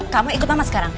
kamu ikut mama sekarang